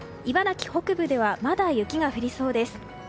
茨城北部ではまだ雪が降りそうです。